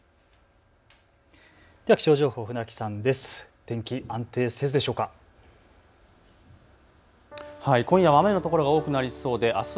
では気象情報、船木さんです。